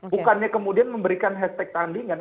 bukannya kemudian memberikan hashtag tandingan